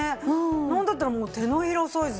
なんだったらもう手のひらサイズですよ。